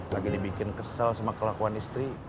lagi dibikin kesel sama kelakuan istri